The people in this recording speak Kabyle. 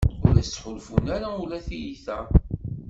Ur as-ttḥulfun ara ula i tyita.